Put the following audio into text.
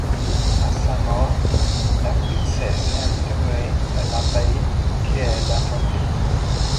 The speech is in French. À sa mort, la princesse est enterrée dans l'abbaye qu'elle a fondée.